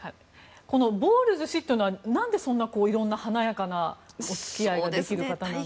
このボウルズ氏というのは何でそんな華やかなお付き合いができる方なんですか？